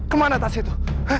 kemana atas itu